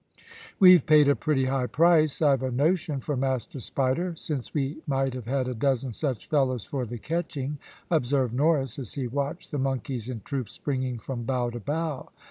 "We've paid a pretty high price, I've a notion, for Master Spider, since we might have had a dozen such fellows for the catching," observed Norris, as he watched the monkeys in troops springing from bough to bough.